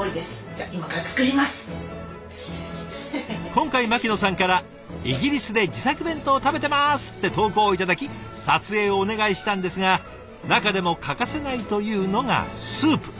今回牧野さんから「イギリスで自作弁当食べてます」って投稿を頂き撮影をお願いしたんですが中でも欠かせないというのがスープ。